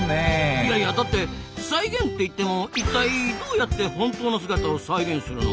いやいやだって再現って言っても一体どうやって本当の姿を再現するの？